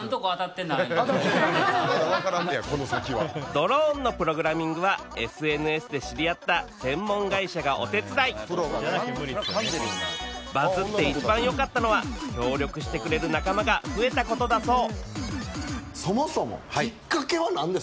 ドローンのプログラミングはＳＮＳで知り合った専門会社がお手伝いバズって一番よかったのは協力してくれる仲間が増えたことだそう